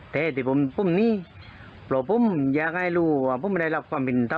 แต่ผมยังไม่รู้ว่าไม่ได้รักความเป็นธำ